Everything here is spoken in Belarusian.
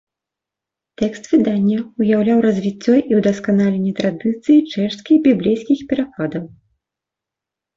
Тэкст выдання ўяўляў развіццё і ўдасканаленне традыцыі чэшскіх біблейскіх перакладаў.